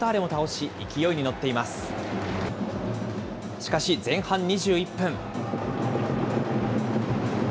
しかし、前半２１分。